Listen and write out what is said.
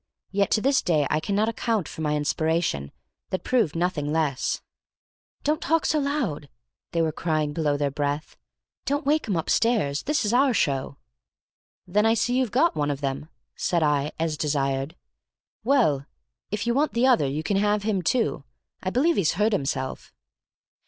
Yet to this day I cannot account for my inspiration, that proved nothing less. "Don't talk so loud," they were crying below their breath; "don't wake 'em upstairs, this is our show." "Then I see you've got one of them," said I, as desired. "Well, if you want the other you can have him, too. I believe he's hurt himself."